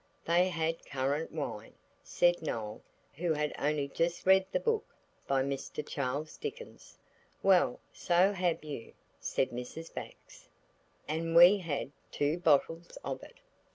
"They had currant wine," said Noël, who has only just read the book by Mr. Charles Dickens. "Well, so have you," said Mrs. Bax. And we had. Two bottles of it.